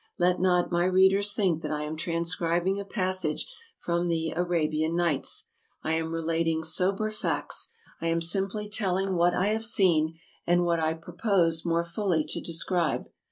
Let not my readers think that I am transcribing a passage from the " Arabian Nights. " I am relating sober facts; I am simply telling what I have seen, and what I purpose more fully to describe.